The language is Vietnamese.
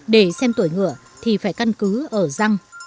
để xem tuổi ngựa thì phải căn cứ ở răng